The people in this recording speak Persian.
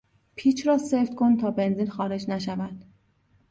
پیچ را سفت کن تا بنزین خارج نشود.